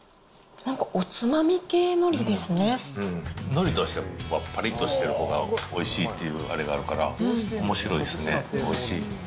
のりとしても、ぱりっとしてるほうがおいしいっていうあれがあるから、おもしろいですね、おいしい。